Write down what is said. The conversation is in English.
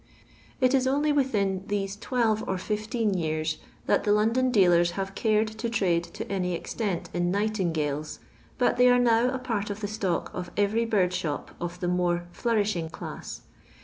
It is only within these twelve or fifteen years that the London dealers have cared to trade to any extent in yajJUinyaUs, but they are now a part of the stock of every bird shop of the more flourish ing class.